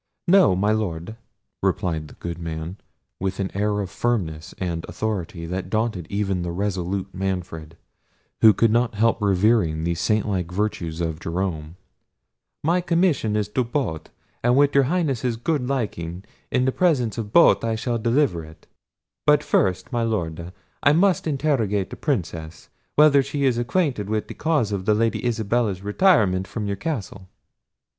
"No, my Lord," replied the good man, with an air of firmness and authority, that daunted even the resolute Manfred, who could not help revering the saint like virtues of Jerome; "my commission is to both, and with your Highness's good liking, in the presence of both I shall deliver it; but first, my Lord, I must interrogate the Princess, whether she is acquainted with the cause of the Lady Isabella's retirement from your castle."